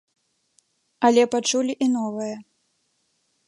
Але пачулі і новае.